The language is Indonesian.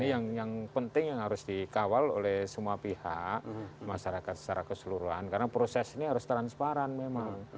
ini yang penting yang harus dikawal oleh semua pihak masyarakat secara keseluruhan karena proses ini harus transparan memang